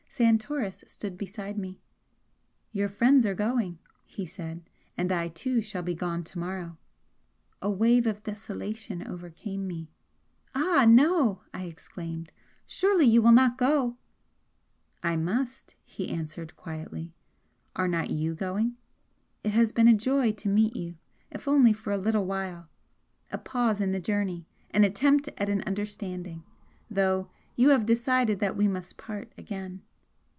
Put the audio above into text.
Santoris stood beside me. "Your friends are going," he said, "and I too shall be gone to morrow!" A wave of desolation overcame me. "Ah, no!" I exclaimed "Surely you will not go " "I must," he answered, quietly, "Are not YOU going? It has been a joy to meet you, if only for a little while a pause in the journey, an attempt at an understanding! though you have decided that we must part again."